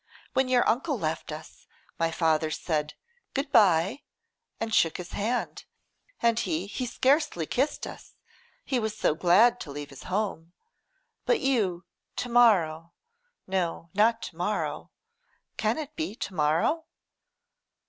When your uncle left us, my father said, "Good bye," and shook his hand; and he he scarcely kissed us, he was so glad to leave his home; but you tomorrow; no, not to morrow. Can it be to morrow?